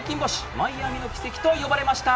マイアミの奇跡と呼ばれました。